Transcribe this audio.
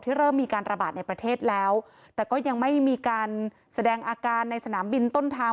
เริ่มมีการระบาดในประเทศแล้วแต่ก็ยังไม่มีการแสดงอาการในสนามบินต้นทาง